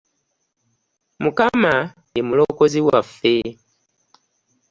Mukama yemulokozzi waffe.